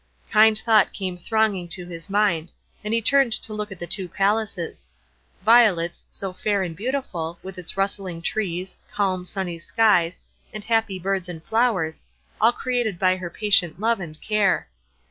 Kind thought came thronging to his mind, and he turned to look at the two palaces. Violet's, so fair and beautiful, with its rustling trees, calm, sunny skies, and happy birds and flowers, all created by her patient love and care.